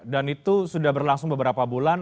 dan itu sudah berlangsung beberapa bulan